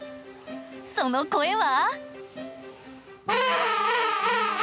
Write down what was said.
その声は。